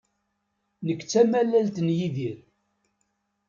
Nekk d tamalalt n Yidir.